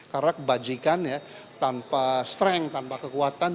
karena kebajikan ya tanpa strength tanpa kekuatan